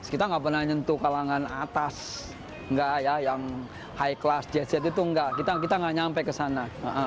kita nggak pernah nyentuh kalangan atas yang high class jaz jaz itu nggak kita nggak nyampe ke sana